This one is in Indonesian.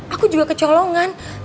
aku juga kecolongan